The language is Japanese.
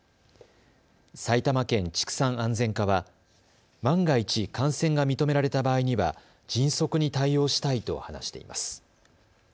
埼玉県畜産安全課は万が一感染が認められた場合には迅速に対応したいと話しています。